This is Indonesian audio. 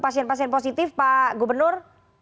pasien pasien positif pak gubernur